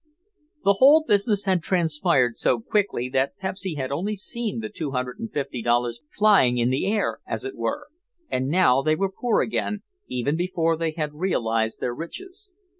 The whole business had transpired so quickly that Pepsy had only seen the two hundred and fifty dollars flying in the air, as it were, and now they were poor again, even before they had realized their riches.